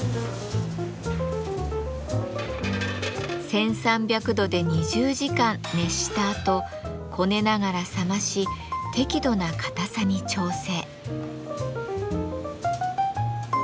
１，３００度で２０時間熱したあとこねながら冷まし適度な硬さに調整。